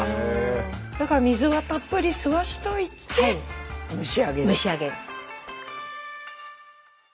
だから水はたっぷり吸わしといて蒸し上げる。